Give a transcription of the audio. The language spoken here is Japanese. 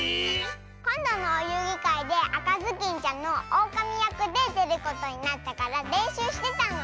⁉こんどのおゆうぎかいであかずきんちゃんのオオカミやくででることになったかられんしゅうしてたの！